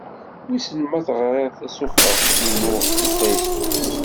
Wissen ma teɣriḍ tasufeɣt-inu deg Facebook.